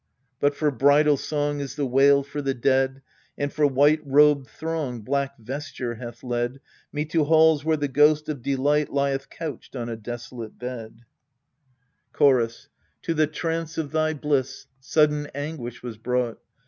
But for bridal song Is the wail for the dead, And, for white robed throng, Black vesture hath led Me to halls where the ghost of delight lieth couched on a desolate bed. 230 EURIPIDES Chorus. To the trance of thy bliss Sudden anguish was brought.